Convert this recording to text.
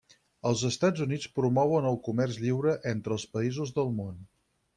Els Estats Units promouen el comerç lliure entre els països del món.